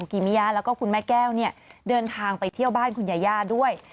กิมิยาแล้วก็คุณแม่แก้วเนี่ยเดินทางไปเที่ยวบ้านคุณยาย่าด้วย